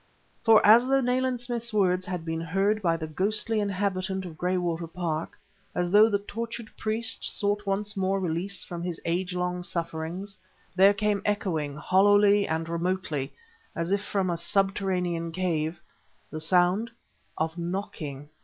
For as though Nayland Smith's words had been heard by the ghostly inhabitant of Graywater Park, as though the tortured priest sought once more release from his age long sufferings there came echoing, hollowly and remotely, as if from a subterranean cavern, the sound of knocking.